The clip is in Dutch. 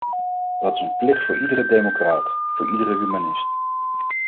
Dat is een plicht voor iedere democraat, voor iedere humanist.